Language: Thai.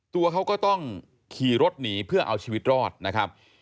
ตัวเขาก็ต้องขี่รถหนีเพื่อเอาชีวิตรอดนะครับ